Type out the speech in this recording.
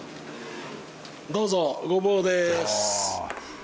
どうぞごぼうです。